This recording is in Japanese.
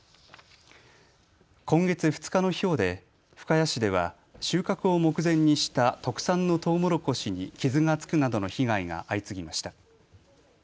今月２日のひょうで深谷市では収穫を目前にした特産のとうもろこしに傷がつくなどの被害が相次ぎました。